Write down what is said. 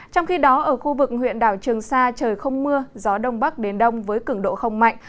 trong khi đó ở khu vực huyện đảo trường sa trời không mưa gió đông bắc đến đông với cứng độ không mạnh